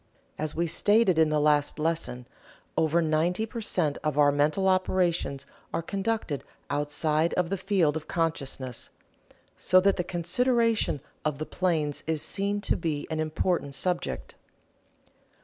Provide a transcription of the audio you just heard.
As we stated in the last lesson, over 90 per cent of our mental operations are conducted outside of the field of consciousness, so that the consideration of the planes is seen to be an important subject.